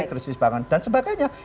krisis bangunan dan sebagainya